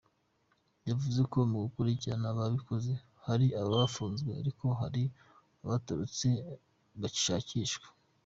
Yavuze ko mu gukurikirana ababikoze hari abafunzwe, ariko hari n’abatorotse bacyihishahisha.